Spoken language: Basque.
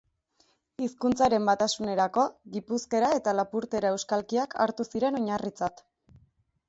Hizkuntzaren batasunerako, gipuzkera eta lapurtera euskalkiak hartu ziren oinarritzat